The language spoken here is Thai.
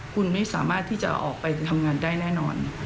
คุณไม่สามารถที่จะออกไปทำงานได้แน่นอน